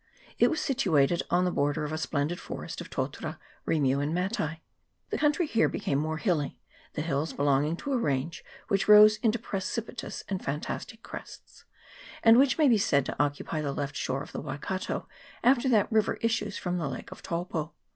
It was situated on the border of a splendid forest of totara, rimu, and matai. The country here became more hilly, the hills belonging to a range which rose into precipi tous and fantastic crests, and which may be said to occupy the left shore of the Waikato after that river issues from the lake of Taupo.